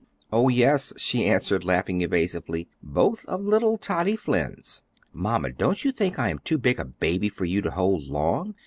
"Oh, yes," she answered, laughing evasively, "both of little Toddie Flynn's. Mamma, don't you think I am too big a baby for you to hold long?"